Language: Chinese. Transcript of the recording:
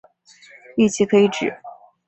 王祺可以指